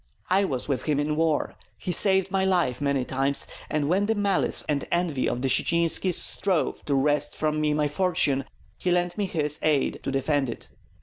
I was with him in war, he saved my life many times; and when the malice and envy of the Sitsinskis strove to wrest from me my fortune, he lent me his aid to defend it.